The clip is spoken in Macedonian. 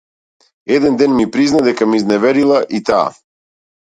Еден ден ми призна дека ме изневерила и таа.